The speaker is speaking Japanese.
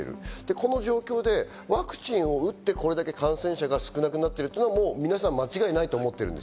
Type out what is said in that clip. この状況でワクチンを打ってこれだけ感染者が少なくなってるのは皆さん間違いないと思ってる。